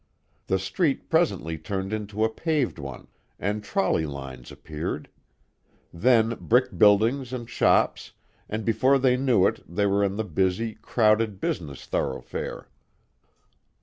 The street presently turned into a paved one, and trolley lines appeared; then brick buildings and shops, and before they knew it they were in the busy, crowded business thoroughfare.